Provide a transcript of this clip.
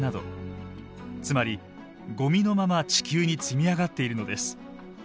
つまりごみのまま地球に積み上がっているのです。